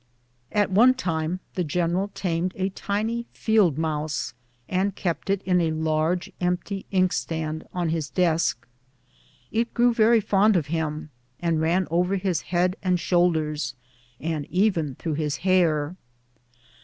At one time the general tamed a tiny field mouse, and kept it in a large, empty inkstand on his desk. It grew very fond of him, and ran over his head and shoulders, and even through his hair.